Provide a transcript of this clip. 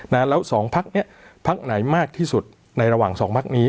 แล้วสองพักเนี้ยพักไหนมากที่สุดในระหว่างสองพักนี้